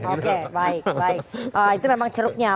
oke baik itu memang jeruknya